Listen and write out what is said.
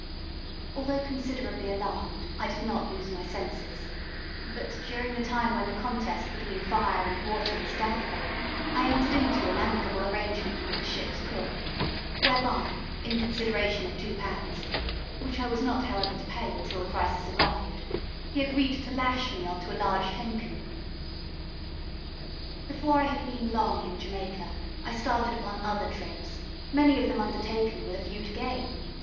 Although considerably alarmed, I did not lose my senses; but during the time when the contest between fire and water was doubtful, I entered into an amicable arrangement with the ship's cook, whereby, in consideration of two pounds which I was not, however, to pay until the crisis arrived he agreed to lash me on to a large hen coop. Before I had been long in Jamaica I started upon other trips, many of them undertaken with a view to gain.